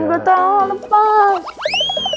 ga tau lepas